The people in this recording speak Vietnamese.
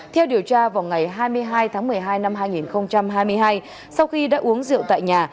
theo điều tra vào ngày hai mươi hai tháng một mươi hai năm hai nghìn hai mươi hai sau khi đã uống rượu tại nhà